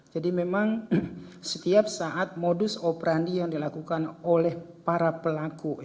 jadi memang setiap saat modus operandi yang dilakukan oleh para pelaku